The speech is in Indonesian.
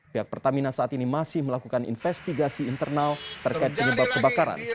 pihak pertamina saat ini masih melakukan investigasi internal terkait penyebab kebakaran